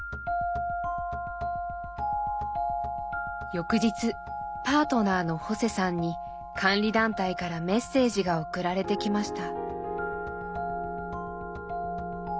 翌日パートナーのホセさんに監理団体からメッセージが送られてきました。